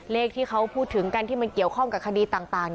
เลขที่เขาพูดถึงกันที่มันเกี่ยวข้องกับคดีต่าง